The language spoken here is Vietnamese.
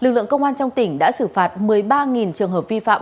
lực lượng công an trong tỉnh đã xử phạt một mươi ba trường hợp vi phạm